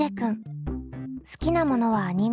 好きなものはアニメやゲーム。